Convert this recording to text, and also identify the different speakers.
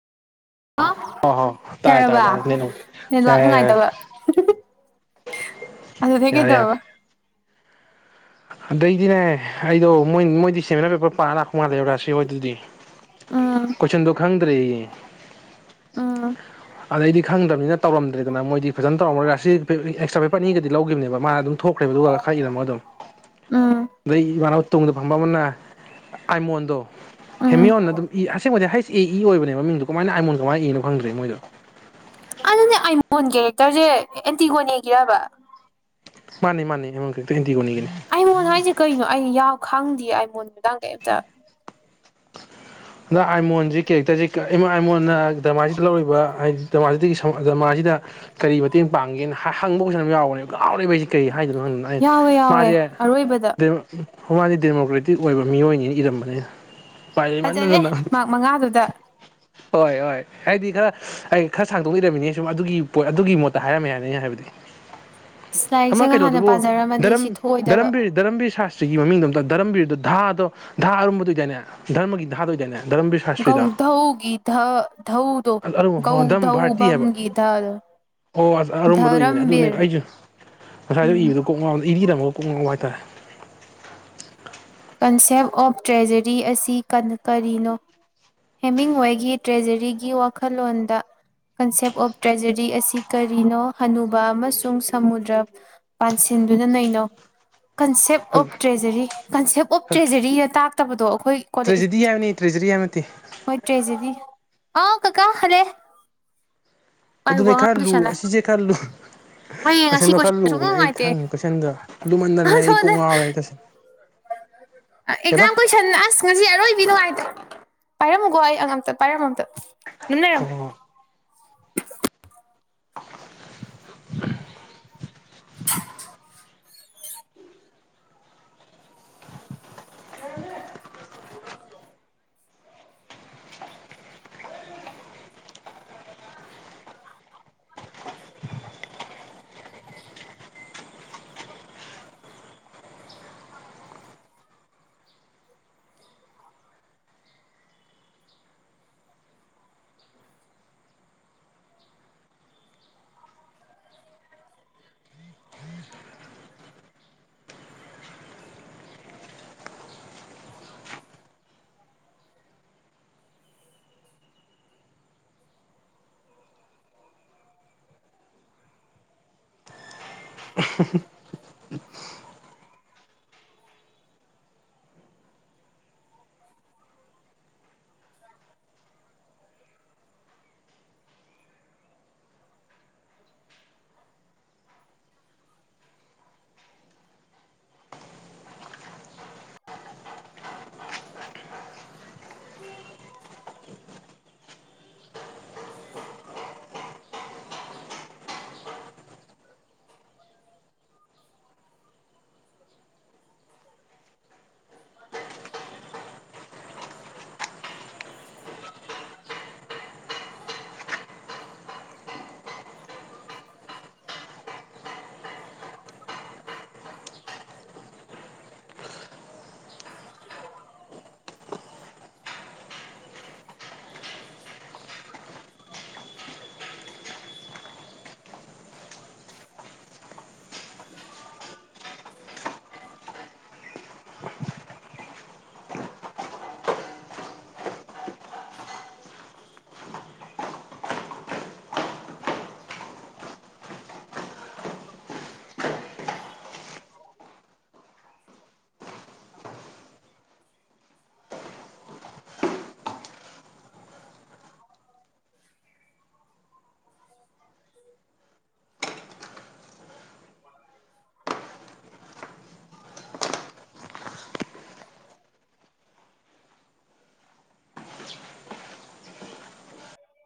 Speaker 1: ꯑꯣ
Speaker 2: ꯍꯜꯂꯣ
Speaker 1: ꯍꯣ ꯇꯥꯔꯦ ꯇꯥꯔꯦ
Speaker 2: ꯌꯥꯔꯕ
Speaker 1: ꯇꯥꯔꯦ ꯅꯦꯠꯋꯥꯛ
Speaker 2: ꯅꯦꯠꯋꯥꯛ
Speaker 1: ꯌꯥꯔꯦ ꯌꯥꯔꯦ ꯌꯥꯔꯦ
Speaker 2: ꯅꯨꯡꯉꯥꯏꯇꯕ ꯑꯗꯨ
Speaker 1: ꯌꯥꯔꯦ ꯌꯥꯔꯦ
Speaker 2: ꯍꯦꯒꯗꯕꯕ
Speaker 1: ꯑꯗꯩꯗꯤꯅꯦ ꯑꯩꯗꯣ ꯃꯣꯏ ꯃꯣꯏꯗꯤ ꯁꯦꯃꯤꯅꯥꯔ ꯄꯦꯄꯔ ꯄꯥ ꯂ ꯉꯥꯜꯂꯦꯕꯧꯔꯥꯁꯤ ꯍ ꯑꯗꯨꯗꯤ
Speaker 2: ꯎꯝ
Speaker 1: ꯀꯣꯏꯁꯟꯗꯣ ꯈꯪꯗ꯭ꯔꯦ
Speaker 2: ꯎꯝ
Speaker 1: ꯑꯗꯩꯗꯤ ꯈꯪꯗꯕꯅꯤꯅ ꯇꯧꯔꯝꯗ꯭ꯔꯗꯅ ꯃꯣꯏꯗꯤ ꯐꯖꯅ ꯇꯧꯔꯝꯃꯒ ꯁꯤ ꯑꯦꯛꯁꯇ꯭ꯔꯥ ꯄꯦꯄꯔ ꯑꯅꯤꯒꯗꯤ ꯂꯧꯈꯤꯕꯅꯦ ꯃꯥꯅ ꯑꯗꯨꯝ ꯊꯣꯛꯈ꯭ꯔꯦꯕ ꯑꯗꯨꯒ ꯈꯔ ꯏꯔꯃꯣ ꯑꯗꯨꯝ
Speaker 2: ꯎ
Speaker 1: ꯑꯗꯩ ꯏꯃꯥꯟꯅꯕ ꯇꯨꯡꯗ ꯐꯪꯕ ꯑꯃꯅ ꯑꯥꯏꯃꯣꯟꯗꯣ
Speaker 2: ꯎꯝ
Speaker 1: ꯍꯦꯃꯤꯌꯣꯟꯅ ꯑꯗꯨꯝ ꯏ ꯑꯁꯦꯡꯕꯗꯤ ꯍꯩꯁ ꯑꯦ ꯏ ꯑꯣꯏꯕꯅꯦ ꯃꯃꯤꯡꯗꯨꯣ ꯀꯃꯥꯏꯅ ꯑꯥꯏꯃꯣꯟ ꯀꯃꯥꯏꯅ ꯏꯅꯣ ꯐꯪꯗ꯭ꯔꯦ ꯃꯣꯏꯗꯣ
Speaker 2: ꯑꯗꯨꯅꯦ ꯑꯥꯏꯃꯣꯟ ꯀꯦꯔꯦꯛꯇꯔꯁꯦ ꯑꯦꯟꯇꯤꯒꯣꯟ ꯌꯦꯒꯤꯔꯕ
Speaker 1: ꯃꯥꯅꯤ ꯃꯥꯅꯤꯃꯪ
Speaker 2: ꯑꯩꯉꯣꯟ ꯍꯥꯏꯁꯦ ꯀꯩꯅꯣ ꯑꯩ ꯌꯥ ꯈꯪꯗꯦ ꯑꯩ ꯃꯣꯟ ꯅꯨꯃꯤꯗꯥꯡ ꯀꯩꯝꯇ
Speaker 1: ꯑꯗ ꯑꯥꯏꯃꯣꯟꯁꯤ ꯀꯦꯔꯦꯛꯇꯔꯁꯤꯥꯏꯣꯟꯅ ꯗꯃꯥꯁꯤꯗ ꯂꯧꯔꯤꯕ ꯍꯥꯏꯁꯤꯥ ꯁꯤꯗ ꯀꯔꯤ ꯃꯇꯦꯡ ꯄꯥꯡꯒꯦꯅ ꯍꯪꯕ ꯍꯧꯖꯤꯅ ꯑꯃ ꯌꯥꯎꯕꯅꯦꯕ ꯉꯥꯎꯔꯤꯕꯁꯤ ꯀꯔꯤ ꯍꯥꯏꯒꯅꯣ
Speaker 2: ꯌꯥꯎꯋꯦ ꯌꯥꯎꯋꯦ
Speaker 1: ꯃꯥꯁꯦ
Speaker 2: ꯑꯔꯣꯏꯕꯗ
Speaker 1: ꯃꯥꯗꯤ ꯗꯦꯃꯣꯀ꯭ꯔꯦꯇꯤꯛ ꯑꯣꯏꯕ ꯃꯤꯑꯣꯏꯅꯤꯅ ꯏꯔꯝꯕꯅꯤꯅ
Speaker 2: ꯐꯖꯅꯦꯦ ꯃ ꯃꯉꯥꯗꯨꯗ
Speaker 1: ꯍꯣꯏ ꯍꯣꯏ ꯍꯥꯏꯗꯤ ꯈꯔ ꯑꯩ ꯈꯔ ꯁꯥꯡꯗꯣꯛꯏꯔꯃꯤꯅꯦ ꯁꯨꯝ ꯑꯗꯨꯒꯤ ꯄꯣꯠ ꯑꯗꯨꯒꯤ ꯃꯣꯠꯇ ꯍꯥꯏꯔꯝꯃꯦ ꯍꯥꯏꯅ ꯑꯩꯅ ꯍꯥꯏꯕꯗꯤ
Speaker 2: [unintelligible]
Speaker 1: ꯑꯃ
Speaker 2: ꯂꯥꯏꯔꯤꯛꯁꯦꯒ ꯍꯥꯟꯅ
Speaker 1: ꯀꯩꯅꯣꯗꯨꯕꯨꯔ
Speaker 2: ꯄꯥꯖꯔꯝꯃꯗꯤ ꯁꯤ ꯊꯣꯛꯑꯣꯏꯗꯕ
Speaker 1: ꯙꯔꯝꯕꯤꯔ ꯁꯥ ꯁꯤꯒꯤ ꯃꯃꯤꯡꯣꯝꯇ ꯗꯙꯔꯝꯕꯤꯔꯗꯨꯣ ꯙꯥꯗꯣ ꯙꯥ ꯑꯔꯨꯝꯝꯕꯗ ꯑꯣꯏꯗꯏꯅꯦ ꯙꯔꯃꯒꯤ ꯥꯗ ꯑꯣꯏꯗꯏꯅꯦ
Speaker 2: ꯧ ꯙꯎꯒꯤ ꯙ ꯙꯧꯗꯧ
Speaker 1: ꯑꯔꯨꯝ
Speaker 2: ꯧ
Speaker 1: ꯙꯔꯝ
Speaker 2: ꯙꯎ
Speaker 1: ꯚꯥꯔꯇꯤ ꯍꯥꯏꯕ
Speaker 2: ꯝꯒꯙ
Speaker 1: ꯑꯣ ꯑꯁ ꯑꯔꯨꯝꯕꯗꯣ ꯏꯕꯅꯦ ꯑꯗꯨꯅꯦꯕ ꯑꯩꯁꯨ ꯉꯁꯥꯏꯗ
Speaker 2: ꯎꯝ
Speaker 1: ꯏꯕꯗꯨꯣ ꯀꯣꯛ ꯉꯗ ꯏꯕꯤꯔꯝꯃ ꯀꯨꯡ ꯍꯥꯏꯇꯥꯔꯦ
Speaker 2: ꯀꯟꯁꯦꯞ ꯑꯣꯞ ꯇ꯭ꯔꯦꯖꯔꯤ ꯑꯁꯤ ꯀ ꯀꯔꯤꯅꯣ ꯍꯦꯃꯤꯡꯋꯦꯒꯤ ꯇ꯭ꯔꯦꯖꯔꯤꯒꯤ ꯋꯥꯈꯜꯂꯣꯟꯗ ꯀꯟꯁꯦꯞ ꯑꯣꯐ ꯇ꯭ꯔꯦꯖꯔꯤ ꯑꯁꯤ ꯀꯔꯤꯅꯣ ꯍꯅꯨꯕ ꯑꯃꯁꯨꯡ ꯁꯃꯨꯗ꯭ꯔ ꯄꯥꯟꯁꯤꯟ ꯗꯨꯅ ꯅꯩꯅꯩꯅꯣ concept of treasury concept of ꯇ꯭ꯔꯦꯖꯔꯤꯅ ꯇꯥꯛꯇꯕꯗꯣ ꯑꯩꯈꯣꯏ ꯀꯣꯂꯦ
Speaker 1: ꯇ꯭ꯔꯦꯖꯤꯗꯤ ꯍꯥꯏꯕꯅꯤ ꯇ꯭ꯔꯦꯖꯤꯗꯤ ꯍꯥꯏꯕ ꯅꯠꯇꯦ
Speaker 2: ꯍꯣꯏ ꯇ꯭ꯔꯦꯖꯔꯤ ꯑꯥꯎ ꯀꯀꯥ ꯍꯂꯦ
Speaker 1: ꯑꯗꯨꯅꯦ ꯈꯜꯂꯨ ꯑꯁꯤꯁꯦ ꯈꯜꯂꯨ
Speaker 2: ꯑꯩ ꯉꯁꯤ
Speaker 1: ꯀꯣꯏꯁꯟꯗꯣ
Speaker 2: ꯀꯣꯏꯁꯟ
Speaker 1: ꯈꯔ
Speaker 2: ꯁꯨꯡꯅꯨꯡ
Speaker 1: ꯂꯨꯕꯅꯦ ꯑꯩ
Speaker 2: ꯅꯨꯡꯉꯥꯏꯇꯦ
Speaker 1: ꯈꯪꯉꯦ ꯀꯣꯏꯁꯟꯗꯣ ꯑꯗꯨꯃꯟꯟꯅꯅꯦ ꯑꯩ ꯀꯣꯛ
Speaker 2: ꯁꯣꯝꯗ
Speaker 1: ꯉꯥꯎꯔꯦ ꯑꯩ ꯀꯁꯟ
Speaker 2: [unintelligible] ꯑꯦꯛꯖꯥꯝ ꯀꯣꯏꯁꯟ ꯑꯁ ꯉꯁꯤ ꯑꯔꯣꯏꯕꯤ ꯅꯨꯡꯉꯥꯏꯇꯦ ꯄꯥꯏꯔꯝꯃꯨꯀꯣ ꯑꯩ ꯑꯝꯇ ꯄꯥꯏꯔꯝꯃꯝꯇ ꯅ
Speaker 1: ꯍꯣꯏ ꯍꯣꯏ [unintelligible] ꯎꯝ
Speaker 2: [unintelligible] [unintelligible] ꯎ [unintelligible] [unintelligible] [unintelligible] [unintelligible] [unintelligible] [unintelligible]
Speaker 1: [unintelligible]
Speaker 2: [unintelligible] [unintelligible] [unintelligible] [inaudible] [unintelligible] [unintelligible] [unintelligible] [inaudible] [inaudible] [inaudible] [inaudible] [inaudible] [inaudible] [inaudible] [inaudible] [inaudible] [inaudible] ꯑ [inaudible] [inaudible] [inaudible] [inaudible]
Speaker 1: [inaudible]
Speaker 2: [inaudible]
Speaker 1: [inaudible]
Speaker 2: [inaudible] [inaudible] [inaudible] [inaudible] [inaudible] [inaudible]